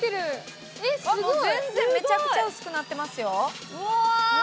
めちゃくちゃ薄くなってますよ。